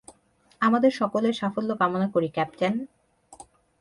আমাদের সকলের সাফল্য কামনা করি, ক্যাপ্টেন।